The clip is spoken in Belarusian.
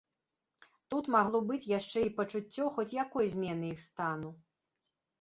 Тут магло быць яшчэ і пачуццё хоць якой змены іх стану.